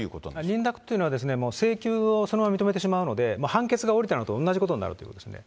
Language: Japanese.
認諾というのは、請求をそのまま認めてしまうので、判決が下りたのと同じことになるということですね。